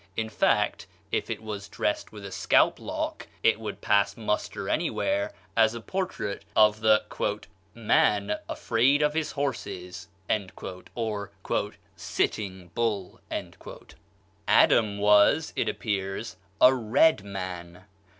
In fact, if it was dressed with a scalp lock it would pass muster anywhere as a portrait of the "Man afraid of his horses," or "Sitting Bull." SAVONAROLA. Adam was, it appears, a red man.